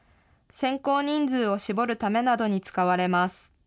選考人数を絞るためなどに使われます。